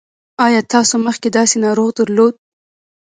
ایا تاسو مخکې داسې ناروغ درلود؟